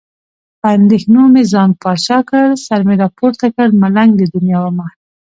په اندېښنو مې ځان بادشاه کړ. سر مې راپورته کړ، ملنګ د دنیا ومه.